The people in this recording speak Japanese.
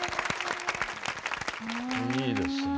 いいですね。